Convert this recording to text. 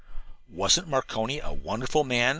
"Wasn't Marconi a wonderful man?"